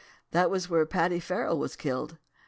That was where Paddy Farrell was killed.